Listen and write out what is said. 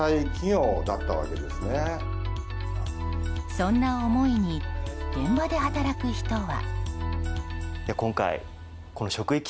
そんな思いに現場で働く人は。